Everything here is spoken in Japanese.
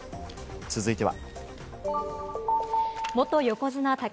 続いては。